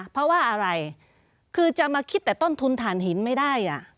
เพราะว่าอะไรคือจะมาคิดแต่ต้นทุนฐานหินไม่ได้